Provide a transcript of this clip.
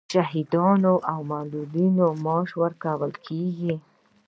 د شهیدانو او معلولینو معاش ورکول کیږي